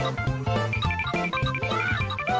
ตามไปดูกันว่าเขามีการแข่งขันอะไรที่เป็นไฮไลท์ที่น่าสนใจกันค่ะ